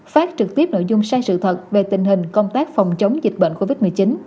phát trực tiếp nội dung sai sự thật về tình hình công tác phòng chống dịch bệnh covid một mươi chín